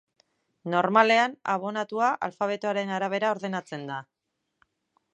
Normalean abonatua alfabetoaren arabera ordenatzen da.